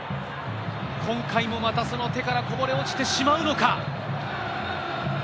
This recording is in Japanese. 今回もまたその手からこぼれ落ちてしまうのか。